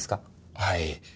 はい。